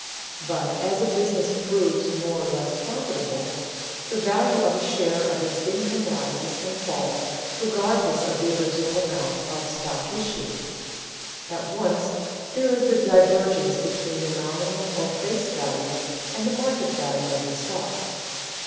But as a business proves more or less profitable, the value of a share of its income rises and falls regardless of the original amount of stock issued. At once there is a divergence between the nominal or face value and the market value of the stock.